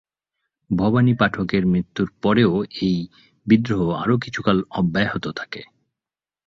ভবানী পাঠকের মৃত্যুর পরেও এই বিদ্রোহ আরো কিছুকাল অব্যহত থাকে।